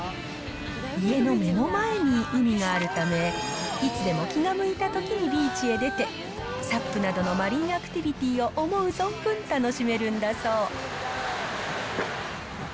家の目の前に海があるため、いつでも気が向いたときにビーチへ出て、サップなどのマリンアクティビティを思う存分楽しめるんだそう。